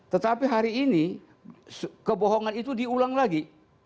tetapi hari ini kebohongan itu diulang lagi